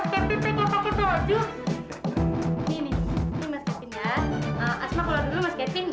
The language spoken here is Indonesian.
kan bagus dari iman